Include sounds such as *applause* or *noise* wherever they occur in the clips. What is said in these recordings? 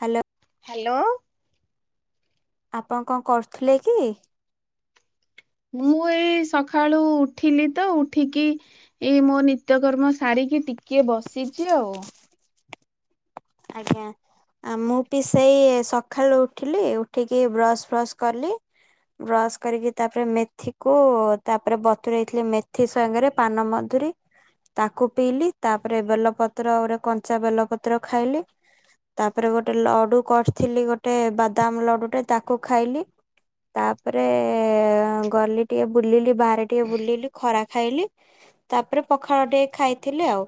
Hello. Hello. ଆପଣ କଣ କରୁଥିଲେ କି? ମୁଁ ଏଇ ସକାଳୁ ଉଠିଲି ତ ଉଠିକି ଏଇ ମୋ ନିତ୍ୟକର୍ମ ସାରିକି ଟିକିଏ ବସିଛି ଆଉ। ଆଜ୍ଞା। ଆ ମୁଁ ପି ସେଇ ସକାଳୁ ଉଠିଲି ଉଠିକି ବ୍ରସ୍ ଫ୍ରସ୍ କଲି। ବ୍ରସ୍ କରିକି ତାପରେ ମେଥିକୁ ତାପରେ ବତୁରଇଥିଲି ମେଥି ସାଙ୍ଗରେ ପାନ ମଧୁରୀ ତାକୁ ପିଇଲି ତାପରେ ବେଲପତ୍ର ଗୋଟେ କଞ୍ଚା ବେଲପତ୍ର ଖାଇଲେ ତାପରେ ଗୋଟେ ଲଡୁ କର୍ ଥିଲି ଗୋଟେ ବାଦାମ ଲଡୁ ଟେ ତାକୁ ଖାଇଲି। ତାପରେ ଗଲି ଟିକେ ବୁଲିଲି ବାହାରେ ଟିକେ ବୁଲିଲି ଖରା ଖାଇଲି। ତାପରେ ପଖାଳ ଟେ ଖାଇଥିଲେ ଆଉ।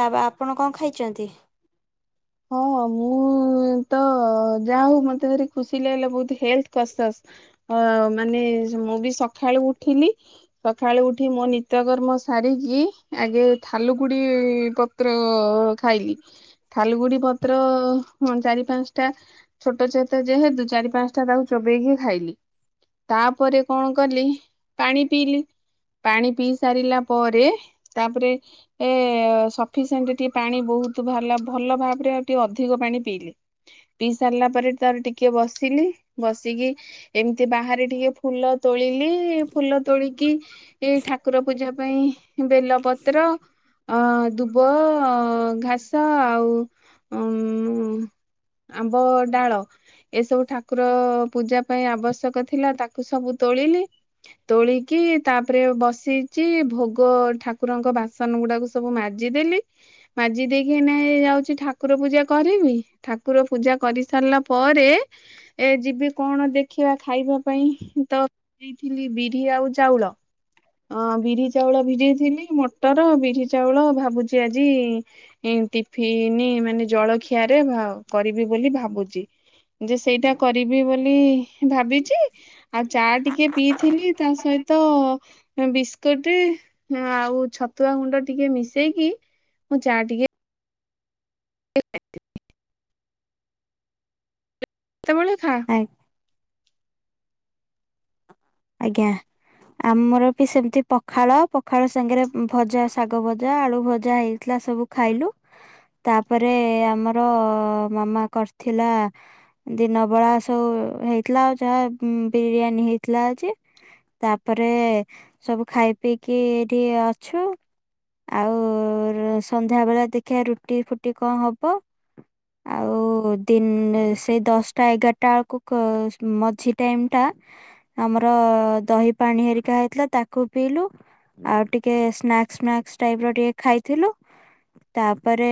ତା ଆପଣ କଣ ଖାଇଛନ୍ତି? ହଁ ମୁଁ ତ ଯା ହଉ ମତେ ଧରି ଖୁସି ଲାଗିଲା ବହୁ ହେଲ କସସ୍। ହଁ ମାନେ ମୁଁ ବି ସକାଳୁ ଉଠିଲି ସକାଳୁ ଉଠି ମୋ ନିତ୍ୟକର୍ମ ସାରିକି ଆଗେ ଥାଲୁକୁଡି ପତ୍ ତ୍ର ଖାଇଲି। ଥାଲଗୁଡି ପତ୍ର ହଁ ଚାରି ପାଞ୍ଚଟା ଛୋଟ ଛୋଟ ଯେହେତୁ ଚାରି ପାଞ୍ଚଟା ତାକୁ ଚୋବେଇକି ଖାଇଲି। ତାପରେ କଣ କଲି? ପାଣି ପିଇଲି। ପାଣି ପିଇ ସାରିଲା ପରେ ତାପରେ ଏ ସଫିସିଏଣ୍ଟ ଟିକେ ପାଣି ବହୁତ ଭଲ ଭଲ ଭାବ୍ ତାପରେ ଆଉ ଟିକେ ଅଧିକ ପାଣି ପିଇଲି, ପିଇ ସାରିଲା ପରେ ତାର ଟିକେ ବସିଲି, ବସିକି ଏମିତି ବାହାରେ ଟିକେ ଫୁଲ ତୋଳିଲି, ଫୁଲ ତୋଳିକି ଏଇ ଠାକୁର ପୂଜା ପାଇଁ ବେଲ ପତ୍ର, ଅ ଦୁବଘାସ ଆଉ ଉଁ *unintelligible* ଆମ୍ବ ଡାଳ, ଏସବୁ ଠାକୁର ପୂଜା ପାଇଁ ଆବଶ୍ୟକ ଥିଲା। ତାକୁ ସବୁ ତୋଳିଲି। ତୋଳିକି ତାପରେ ବସିଚି, ଭୋଗ ଠାକୁରଙ୍କ ବାସ ନ ଗୁଡାକୁ ସବୁ ମାଜିଦେଲି। ମାଜି ଦେଇକି ଏଇନା ଏ ଯାଉ ଚି ଠାକୁର ପୂଜା କରିବି, ଠାକୁର ପୂଜା କରି ସାରିଲା ପରେ, ଏ ଯିବି କଣ ଦେଖିବା ଖାଇବା ପାଇଁ? ତ ଭିଜେଇଥିଲି ବିରି ଆଉ ଚାଉଳ। ଅଁ ବିରି ଚାଉଳ ଭିଜେଇଥିଲି, ମଟର, ବିରି, ଚାଉଳ ଭାବୁଛି ଆଜି ଇଁ ଟିଫିନି ମାନେ ଜଳଖିଆରେ ଭା କରିବି ବୋଲି ଭାବୁଛି। ଯେ ସେଇଟା କରିବି ବୋଲି ଭାବିଚି। ଆଉ ଚା ଟିକେ ପିଇଥିଲି, ତା ସହିତ ବିସ୍କୁଟ ଆଉ ଛତୁଆ ଗୁଣ୍ଡ ଟିକେ ମିଶେଇକି ମୁଁ ଚା ଟିକେ ଆ୍ଞା *unintelligible* କେତେବେଳେ ଖା? ଏକ। *unintelligible* ଆଜ୍ଞା। ଆମର ବି ସେମିତି ପଖାଳ, ପଖାଳ ସାଙ୍ଗରେ ଭଜା, ଶାଗ ଭଜା, ଆଳୁ ଭଜା, ହେଇଥିଲା ସବୁ। ଖାଇଲୁ। ତାପରେ ଆମର ମାମା କରିଥିଲା ଦିନ ବେଳା ସବୁ ହେଇଥିଲା, ଆଉ ଯାହା ବିରିୟାନୀ ହେଇଥିଲା। ତାପରେ ସବୁ ଖାଇ ପିଇକି ଏଇଠି ଅଛୁ। ଆଉ ସନ୍ଧ୍ୟା ଵେଳେ ଦେଖିବା ରୁଟି ଫୁଟି କଣ ହବ। ଆଉ ଦିନ ସେଇ ଦଶଟା ଏଗାରଟା ବେଳକୁ ମଝି ଟାଇମ୍ ଟା, ଆମର ଦହି ପାଣି ହେରିକା ହେଇଥିଲା, ତାକୁ ପିଇଲୁ। ଆଉ ଟିକେ ସ୍ନାକ୍ସ୍ ନାକ୍ସ ଟାଇପ୍ ର ଟିକେ ଖାଇଥିଲୁ। ତାପରେ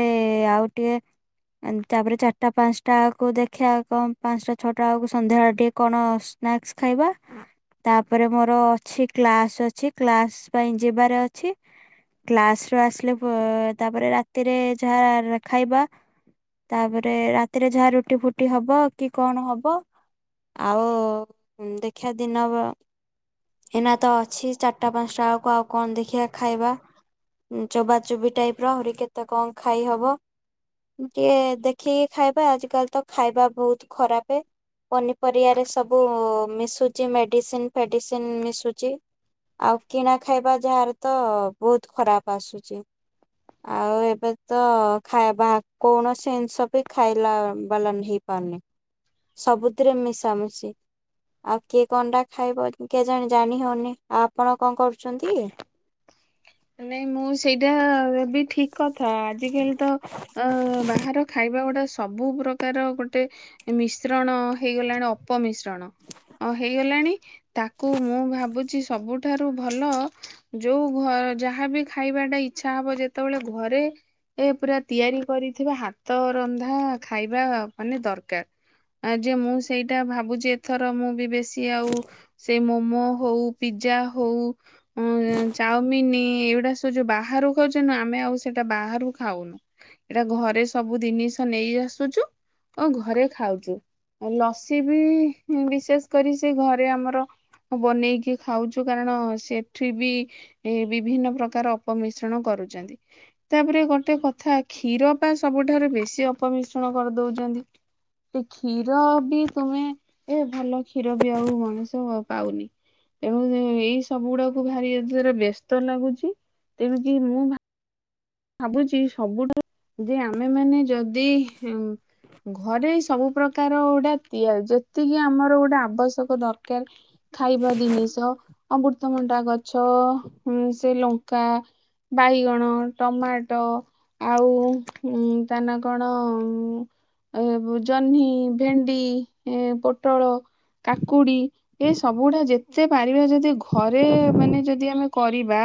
ଆଉ ଟିକେ ତାପରେ ଚାରିଟା, ପାଞ୍ଚଟାକୁ ଦେଖିବାକୁ ପାଞ୍ଚଟା, ଛଅଟା, ଵେଳକୁ ସନ୍ଧ୍ୟାବେଳେ ଟିକେ କଣ ସ୍ନାକ୍ସ୍ ଖାଇବା। ତାପରେ ମୋର ଅଛି କ୍ଲାସ ଅଛି, କ୍ଲାସ ପାଇଁ ଯିବାର ଅଛି। କ୍ଲାସ ରୁ ଆସିଲେ ତାପରେ ରାତିରେ ଯାହା ଖାଇବା। ତାପରେ ରାତିରେ ଯାହା ରୁଟି ଫୁଟି ହବ କି କଣ ହବ? ଆଉ ଦେଖିବା ଦିନ ବ ଏଇନା ତ ଅଛି ଚାରିଟା, ପାଞ୍ଚଟା ବେଳକୁ ଆଉ କଣ ଦେଖିବା ଖାଇବା? ଉଁ ଚୋବା ଚୋବି ଟାଇପ୍ ର ଆହୁରି କେତେ କଣ ଖାଇହବ। ଟିକେ ଦେଖିକି ଖାଇବା। ଆଜି କାଲି ତ ଖାଇବା ବହୁତ ଖରାପେ। ପନିପରିବାରେ ସବୁ ମିଶୁଛି ମେଡିସିନ ଫେଡିସିନ ମିଶୁଛି। ଆଉ କିଣା ଖାଇବା ଯାହାର ତ ବହୁତ ଖରାପ ଆସୁଛି। ଆଉ ଏବେ ତ ଖାଇବା କୌଣସି ଜିନିଷ ବି ଖାଇଲା ବାଲା ନୁହେଁ? ସବୁଥିରେ ମିଶାମିଶି। ଆଉ କିଏ କଣଟା ଖାଇବ? କେଜାଣି ଜାଣିହଉନି? ଆଉ ଆପଣ କଣ କରୁଛନ୍ତି? ନାଇଁ ମୁଁ ସେଇଟା ବି ଠିକ୍। କଥା ଆଜିକାଲି ତ ଅ ବାହାର ଖାଇବା ଗୁଡା ସବୁ ପ୍ରକାର ଗୋଟେ ମିଶ୍ରଣ ହେଇଗଲାଣି ଅପ ମିଶ୍ରଣ। ଓ ହେଇଗଲାଣି ତାକୁ ମୁଁ ଭାବୁଛି ସବୁଠାରୁ ଭଲ ଯୋଉ ଘ ଯାହା ବିି ଖାଇବାଟା ଇଚ୍ଛା ହବ ଯେତେବେଳେ ଘରେ। ଏ ପୁରା ତିଆରି କରିଥିବା ହାତ ରନ୍ଧା ଖାଇବା ମାନେ ଦରକାର। ଆ ଯେ ମୁଁ ସେଇଟା ଭାବୁଛି ଏଥର ମୁଁ ବି ବେଶୀ ଆଉ ସେ ମୋମୋ ହଉ ପିଜା ହଉ ଉ ଚାଉମିନି ଏଇଗୁଡା ସବୁ ଯୋଉଁ ବାହାରୁ ଖାଉଛୁନୁ ଆମେ ଆଉ ସେଇଟା ବାହାରୁ ଖାଉନୁ। ଏଇଟା ଘରେ ସବୁ ଜିନିଷ ନେଇ ଆସୁଛୁ ଆଉ ଘରେ ଖାଉଛୁ। ଆଉ ଲସି ବି ବିଶେଷ କରି ସେ ଘରେ ଆମର ବନେଇକି ଖାଉଛୁ କାରଣ ସେଠି ବି ଏ ବିଭିନ୍ନ ପ୍ରକାର ଅପମିଶ୍ରଣ କରୁଚନ୍ତି। ତାପରେ ଗୋଟେ କଥା କ୍ଷୀର ପା ସବୁଠାରୁ ବେଶୀ ଅପମିଶ୍ରଣ କରିଦଉଚନ୍ତି। ସେ କ୍ଷୀର ବି ତୁମେ ଏ ଭଲ କ୍ଷୀର ବି ଆଉ ମଣିଷ ପାଉନି। ଏବଂ ଏଇ ସବୁ ଗୁଡ଼ାକୁ ଭାରି ଏଥର ବ୍ୟସ୍ତ ଲାଗୁଛି। ଏମିତି ମୁଁ ଭା ଭାବୁଛି ସବୁଠାରୁ ଯେ ଆମେମାନେ ଯ ଦି ହେଉ ଘରେ ସବୁ ପ୍ରକା ପ୍ରକାର ଗୋଟେ ତିଆଜ ଯେତିକି ଆମର ଗୋଟେ ଆବଶ୍ୟକ ଦରକାର୍। ଖାଇବା ଜିନିଷ ଅମୃତମଣ୍ଡା ଗଛ ଉ ସେ ଲଙ୍କା ବାଇଗଣ ଟମାଟୋ ଆଉ ଉ ତାନା କଣ? ଆଉ ଏବେ ଜହ୍ନି, ଭେଣ୍ଡି ଏ ପୋଟଳ, କାକୁଡି ଏ ସବୁଗୁଡ଼ା ଯେତେ ପାରିବା ଯଦି ଘରେ ମାନେ ଯଦି ଆମେ କରିବା।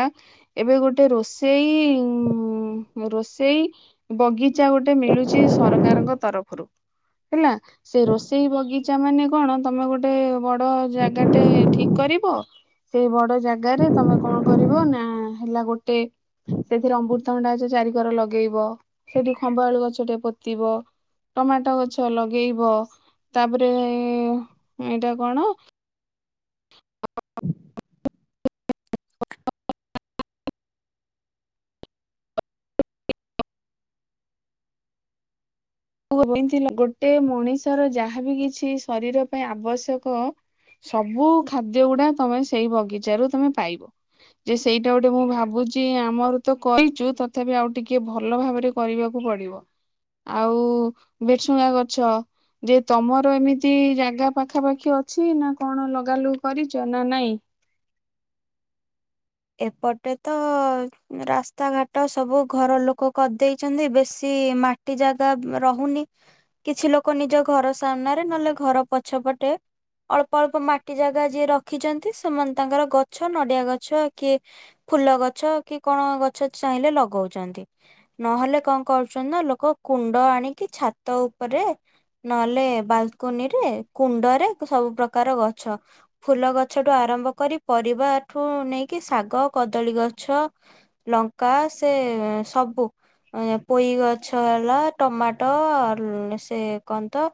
ଏବେ ଗୋଟେ ରୋଷେଇ ଉ ରୋଷେଇ ବଗିଚା ଗୋଟେ ମିଳୁଛି ସରକାରଙ୍କ ତରଫରୁ। ହେଲା ସେଇ ରୋଷେଇ ବଗି ଚା ମାନେ କଣ ତମେ ଗୋଟେ ବଡ଼ ଜାଗାଟେ ଠିକ୍ କରିବ। ସେଇ ବଡ଼ ଜାଗାରେ ତମେ କଣ କରିବ ନା ହେଲା ଗୋଟେ ସେଥିରେ ଅବୃତମଣ୍ଡା ଚାରି କର ଲଗେଇବ ସେଠି ଖମ୍ବ ଆଳୁ ଗଛ ଟେ ପୋତିବ। ଟମାଟୋ ଗଛ ଲଗେଇବ ତାପରେ ଏ ଏଇଟା କଣ? *unintelligible* ଗୋଟେ ମଣିଷର ଯାହାବି କିଛି ଶରୀର ପାଇଁ ଆବଶ୍ୟକ ସବୁ ଖାଦ୍ୟ ଗୁଡ଼ା ତମେ ସେଇ ବଗିଚାରୁ ତମେ ପାଇବ। ଯେ ସେଇଟା ଗୋଟେ ମୁଁ ଭାବୁଛି ଆମର ତ କରିଛୁ ତଥାପି ଆଉ ଟିକେ ଭଲ ଭାବରେ କରିବାକୁ ପଡ଼ିବ। ଆଉ ଭେସୁଙ୍ଗା ପତ୍ର। ଯେ ତମର ଏମିତି ଜାଗା ପାଖାପାଖି ଅଛି ନା କଣ ଲଗାଲୁଗୁ କରିଛ ନା ନାଇଁ? ଏପଟେ ତ ରାସ୍ତା ଘାଟ ସବୁ ଘର ଲୋକ କରିଦେଇଛନ୍ତି ବେଶୀ ମାଟି ଜାଗା ରହୁନି। କିଛି ଲୋକ ନିଜ ଘର ସାମ୍ନାରେ ନହେଲେ ଘର ପଛପଟେ। ଅଳ୍ପ ଅଳ୍ପ ମାଟି ଜାଗା ଯିଏ ରଖିଛନ୍ତି ସେମାନେ ତାଙ୍କର ଗଛ ନଡ଼ିଆ ଗଛ କିଏ ଫୁଲ ଗଛ କି କଣ ଗଛ ଚାହିଁଲେ ଲଗଉଛନ୍ତି। ନହେଲେ କଣ କରୁଛନ୍ତି ନା ଲୋକ କୁଣ୍ଡ ଆଣିକି ଛାତ ଉପରେ ନହେଲେ ବାଲକୁନିରେ କୁଣ୍ଡରେ ସବୁ ପ୍ରକାର ଗଛ। ଫୁଲ ଗଛଠୁ ଆରମ୍ଭ କରି ପରିବାଠୁ ନେଇକି ଶାଗ, କଦଳୀ ଗଛ ଲଙ୍କା ସେସବୁ ପୋଇ ଗଛ ହେଲା ଟମାଟୋ ଲେ ସେ କନ୍ତ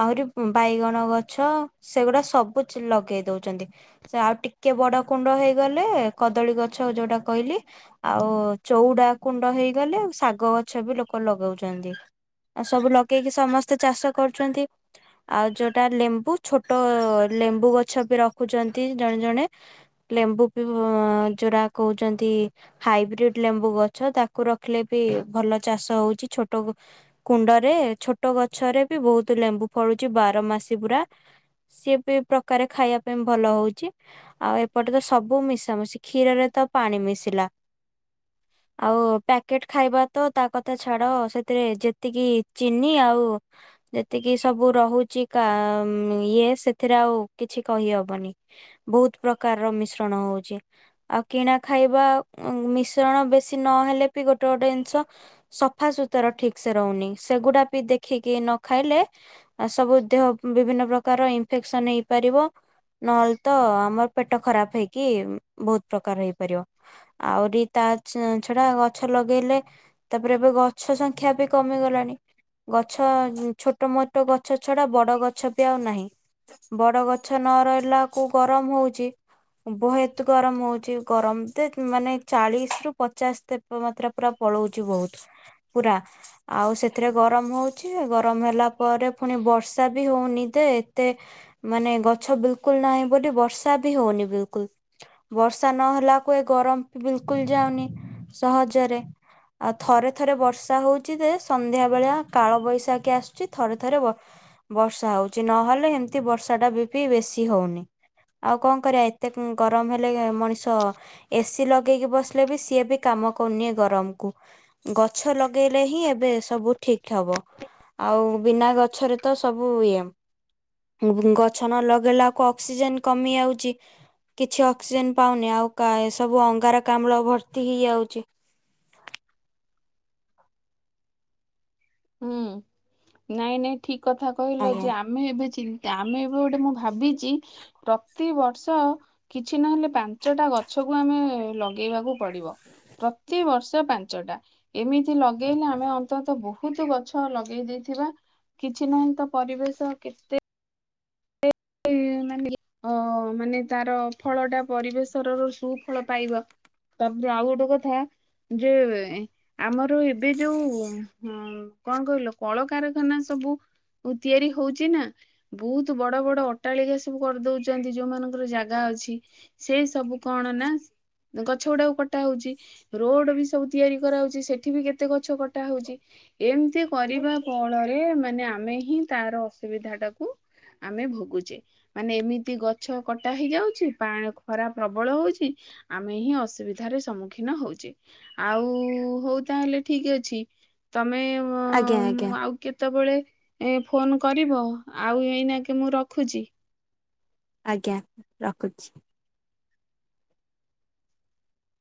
ଆହୁରି ବାଇଗଣ ଗଛ ସେଗୁଡ଼ା ସବୁ ଲଗେଇ ଦଉଚନ୍ତି। ସେ ଆଉ ଟିକେ ବଡ଼ କୁଣ୍ଡ ହେଇଗଲେ କଦଳୀ ଗଛ ଯଉଟା କହିଲି ଆଉ ଚଉଡ଼ା କୁଣ୍ଡ ହେଇଗଲେ ଆଉ ଶାଗ ଗଛବି ଲୋକ ଲଗଉଚନ୍ତି। ଆଉ ସବୁ ଲଗେଇକି ସମସ୍ତେ ଚାଷ କରୁଚନ୍ତି। ଆଉ ଯୋଉଟା ଲେମ୍ବୁ ଛୋଟ ଲେମ୍ବୁ ଗଛବି ରଖୁଚନ୍ତି ଜଣେ ଜଣେ ଲେମ୍ବୁ ପିଇବ ଯଉଡ଼ା କହୁଚନ୍ତି। ହାଇବ୍ରିଡ୍ ଲେମ୍ବୁ ଗଛ ତାକୁ ରଖିଲେବି ଭଲ ଚାଷ ହଉଚି ଛୋଟ କୁଣ୍ଡରେ ଛୋଟ ଗଛରେବି ବହୁତ୍ ଲେମ୍ବୁ ଫଳୁଚି ବାର ମାସି ପୁରା ସିଏବି ପ୍ରକାରେ ଖାଇବା ପାଇଁ ଭଲ ହଉଚି ଆଉ ଏପଟେତ ସ ବୁ ମିଶାମିଶି କ୍ଷୀରରେତ ପାଣି ମିଶିଲା ଆଉ ପ୍ୟାକେଟ୍ ଖାଇବାତ ତାକଥା ଛାଡ଼ ସେଥିରେ ଯେତିକି ଚିନି ଆଉ ଯେତିକି ସବୁ ରହୁଚି କାଁ ଇଏ ସେଥିରେ ଆଉ କିଛି କହିହବନି। ବହୁତ୍ ପ୍ରକାରର ମିଶ୍ରଣ ହଉଚି। ଆଉ କିଣା ଖାଇବା ମିଶ୍ରଣ ବେଶୀ ନହେଲେବି ଗୋଟେ ଗୋଟେ ଜିନ୍ସ ସଫାସୁତୁରା ଠିକସେ ରହୁନି ସେଗୁଡ଼ାବି ଦେଖିକି ନଖାଇଲେ ଆ ସବୁ ଦେହ ବିଭିନ୍ନ ପ୍ରକାରର ଇନ୍ ଇନ୍ଫେକ୍ସନ ହେଇପାରିବ ନହେଲେତ ଆମ ପେଟ ଖରାପ୍ ହେଇ କି ବହୁତ୍ ପ୍ରକାର ହେଇପାରିବ ଆହୁରି ତାଛଡ଼ା ଗଛ ଲଗେଇଲେ ତାପରେ ଏବେ ଗଛ ସଂଖ୍ୟାବି କମିଗଲାଣି ଗଛ ଛୋଟ ମୋଟ ଗଛ ଛଡ଼ା ବଡ଼ ଗଛବି ଆଉ ନାହିଁ ବଡ଼ ଗଛ ନରହିଲାକୁ ଗରମ ହଉଚି ଉ ବହୁତ୍ ଗରମ ହଉଚି ଗରମତେ ମାନେ ଚାଳିଶିରୁ ପଚାଶେ ତେ ତାପମାତ୍ରା ପୁରା ପଳଉଚି ବହୁତ୍ ପୁରା ଆଉ ସେଥିରେ ଗରମ ହଉଚି ଆଉ ଗରମ ହେଲା ପରେ ପୁଣି ବର୍ଷାବି ହଉନି ଦେ ତେ ମାନେ ଗଛ ବିଲକୁଲ୍ ନାହିଁ ବୋଲି ବର୍ଷାବି ହଉନି ବିଲ୍ କୁଲ୍ ବର୍ଷା ନହେଲାକୁ ଏ ଗରମ ବିଲକୁଲ୍ ଯାଉନି ସହଜରେ ଆଉ ଥରେ ଥରେ ବର୍ଷା ହଉଚିଯେ ସନ୍ଧ୍ୟା ବେଳିଆ କାଳବୈଶାଖୀ ଆସୁଚି ଥରେ ଥରେ ବ ବର୍ଷା ହଉଚି ନହେଲେ ଏମିତି ବର୍ଷାଟାବି ବିପି ବେଶୀ ହଉନି ଆଉ କଣ କରିବା ଏ ଏତେ ଗରମ୍ ହେଲେ ମଣିଷ ଏସିି ଲଗେଇକି ବସିଲେବି ସିଏବି କାମ କରୁନି ଏଗରମକୁ ଗଛ ଲଗେଇଲେହିଁ ଏବେ ସବୁ ଠିକ୍ ହବ ଆଉ ବିନା ଗଛରେତ ସବୁ ଇଏମ୍ ଗଛ ନଲଗେଇଲାକୁ ଅକ୍ସିଜେନ୍ କମି ଆଉଚି କିଛି ଅକ୍ସିଜେନ୍ ପାଉନି ଆଉ କା ଏସବୁ ଅଙ୍ଗାର କାମ୍ଳ ଭର୍ତ୍ତି ହେଇଆଉଚି ହୁଁ ନାଇଁ ନାଇଁ ଠିକ୍ କଥା ଆଜ୍ଞା କହିଲଯେ ଆ ଆମେ ଏବେ ଚିନ୍ତା ଆମେ ଏବେ ଗୋଟେ ମୁଁ ଭାବିଚି ପ୍ରତିିବର୍ଷ କିଛି ନହେଲେ ପାଞ୍ଚଟା ଗଛକୁ ଆମେ ଲଗେଇବାକୁ ପଡ଼ିବ ପ୍ରତିବର୍ଷ ପାଞ୍ଚଟା ଏମିତି ଲଗେଇଲେ ଆମେ ଅନ୍ତତଃ ବୋ ହୁତୁ ଗଛ ଲଗେଇ ଦେଇଥିବା କିଛି ନହେଲେତ ପରିବେଶ କେତେ ଏଇ ମାନେ ଅ ମାନେ ତାର ଫଳଟା ପରିବେଶରର ସୁଫଳ ପାଇବ ତାପରେ ଆଉ ଗୋଟେ କଥା ଯ ଆମର ଏବେ ଯୋଉ କଣ କହିଲ କଳକାରଖାନା ସବୁ ତିଆରି ହଉଚି ନା, ବହୁତ ବଡ଼ ବଡ଼ ଅଟ୍ଟାଳିକା ସବୁ କରିଦଉଛନ୍ତି ଯୋଉ ମାନଙ୍କର ଜାଗା ଅଛି। ସେ ସବୁ କଣ ନା ଗଛ ଗୁଡ଼ାକ କଟା ହଉଛି, ରୋଡ଼ ବି ସବୁ ତିଆରି କରାହଉଛି, ସେଠି ବି କେତେ ଗଛ କଟ କଟା ହଉଛି, ଏମତି କରିବା ଫଳରେ ମାନେ ଆମେ ହିଁ ତାର ଅସୁବିଧା ଟାକୁ ଆମେ ଭୋଗୁ ଚେ, ମାନେ ଏମିତି ଗଛ କଟା ହେଇଯାଉଛି, ପା ଖରା ପ୍ରବଳ ହଉଛି। ଆମେ ହିଁ ଅସୁବିଧାରେ ସମ୍ମୁଖୀନ ହଉଛେ, ଆଉ ହଉ ତାହେଲେ ଠିକ୍ ଅଛି। ତମେ ଆଜ୍ଞା ଆଜ୍ଞା। ସବୁବେଳେ ଏ ଫୋନ୍ କରିବ ଆଉ ଏଇନାକେ ମୁଁ ରଖୁଛି। ଆଜ୍ଞା ରଖୁଛି।